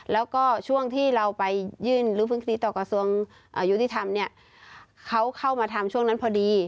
แล้วก็ช่วงที่เราไปยื่นหรือฟึกษีต่อกระทรวงยุติธรรมเนี่ยเขาเข้ามาทำช่วงนั้นพอดี